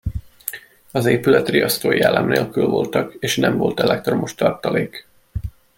Az épület riasztói elem nélkül voltak, és nem volt elektromos tartalék.